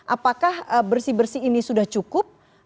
apakah bersih bersih ini sudah cukup